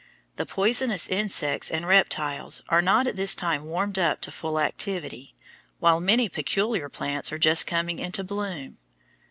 The poisonous insects and reptiles are not at this time warmed up to full activity, while many peculiar plants are just coming into bloom.